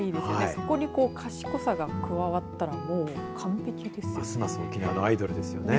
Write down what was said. そこに賢さが加わったらもう完璧ですよね。